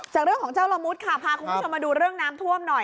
จากเรื่องของเจ้าละมุดค่ะพาคุณผู้ชมมาดูเรื่องน้ำท่วมหน่อย